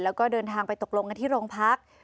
แล้วก็เดินทางไปตกลงกันที่โรงพัก